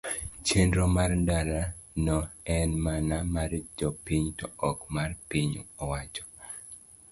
Chenro mar ndara no en mana mar jopiny to ok mar piny owacho.